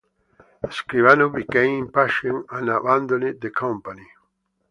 Escribano became impatient and abandoned the company.